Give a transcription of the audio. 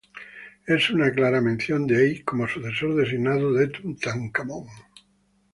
Es una clara mención de Ay como sucesor designado de Tutankamón.